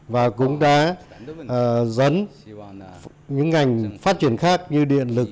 và cũng đã dấn những ngành phát triển khác như điện lực